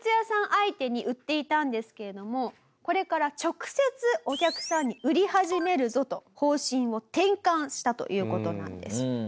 相手に売っていたんですけれどもこれから直接お客さんに売り始めるぞと方針を転換したという事なんです。